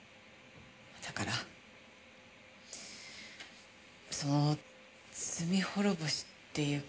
だからその罪滅ぼしっていうか。